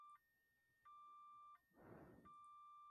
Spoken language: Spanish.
Frecuentó la escuela de enfermería St.